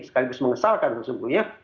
sekaligus mengesalkan sebetulnya